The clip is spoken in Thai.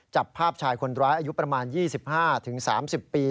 จับภาพชายคนร้ายอายุประมาณ๒๕๓๐ปี